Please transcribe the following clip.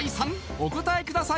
お答えください